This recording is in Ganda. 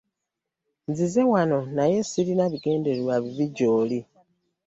Nzize wawo naye sirina bigendererwa bibi gyoli.